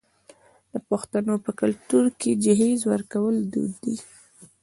د پښتنو په کلتور کې د جهیز ورکول دود دی.